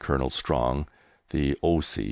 Colonel Strong, the O.